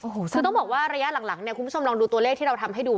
คือต้องบอกว่าระยะหลังเนี่ยคุณผู้ชมลองดูตัวเลขที่เราทำให้ดู